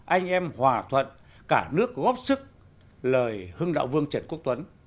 anh em hòa thuận cả nước góp sức lời hưng đạo vương trần quốc tuấn